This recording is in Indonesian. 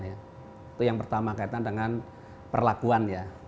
itu yang pertama kaitan dengan perlakuan ya